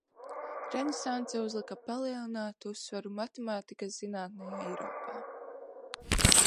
Renesanse uzlika palielinātu uzsvaru matemātikas zinātnei Eiropā.